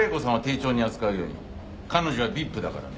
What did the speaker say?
彼女はＶＩＰだからね。